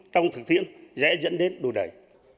trong thực tiễn dễ dẫn đến đồ đẩy